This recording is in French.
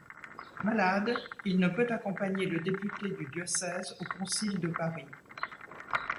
Malade il ne peut accompagner le député du diocèse au Concile de Paris.